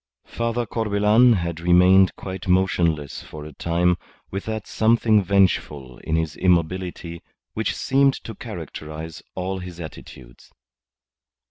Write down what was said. Father Corbelan had remained quite motionless for a time with that something vengeful in his immobility which seemed to characterize all his attitudes.